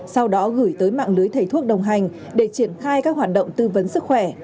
sau đó gửi tới mạng lưới thầy thuốc đồng hành để triển khai các hoạt động tư vấn sức khỏe